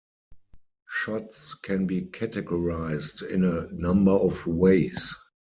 Shots can be categorized in a number of ways.